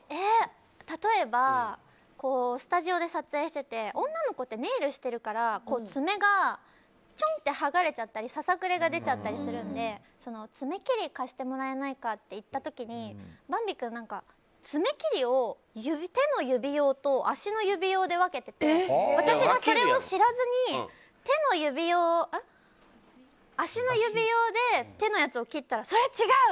例えば、スタジオで撮影してて女の子ってネイルしてるから爪がちょんってはがれちゃったりささくれが出ちゃったりするので爪切りを貸してもらえないかって言った時にヴァンビ君爪切りを手の指用と足の指用で分けてて私がそれを知らずに足の指用で手のやつを切ったらそれ違う！